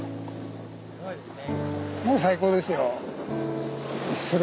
すごいですね。